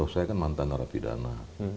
saya kan mantan raffi dana